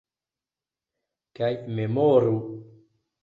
Kaj memoru!